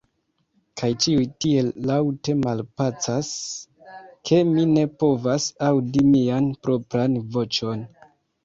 Kaj ĉiuj tiel laŭte malpacas, ke mi ne povas aŭdi mian propran voĉon.